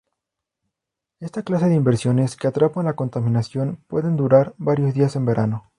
Esta clase de inversiones que atrapan la contaminación pueden durar varios días en verano.